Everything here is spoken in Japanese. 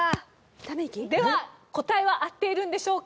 ため息？では答えは合っているんでしょうか？